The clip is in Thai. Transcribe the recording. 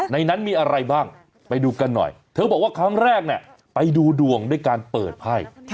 ในนั้นมีอะไรบ้างไปดูกันหน่อยเธอบอกว่าครั้งแรกเนี่ยไปดูดวงด้วยการเปิดไพ่